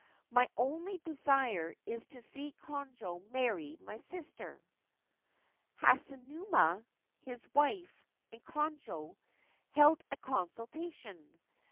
My only desire is to see Konojo marry my sister.' Hasunuma, his wife, and Konojo held a consultation.